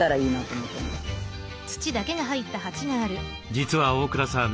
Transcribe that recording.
実は大倉さん